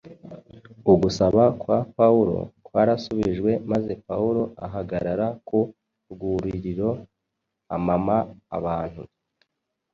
Ugusaba kwa Pawulo kwarasubijwe maze “Pawulo ahagarara ku rwuririro, amama abantu.